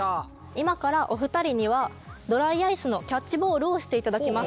今からお二人にはドライアイスのキャッチボールをしていただきます。